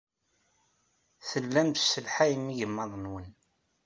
Tellam tesselhayem igmaḍ-nwen.